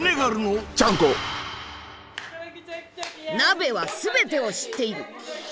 「鍋は全てを知っている！」。